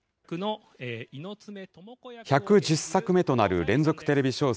１１０作目となる連続テレビ小説